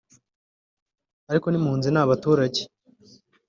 ariko n’impunzi ni abaturage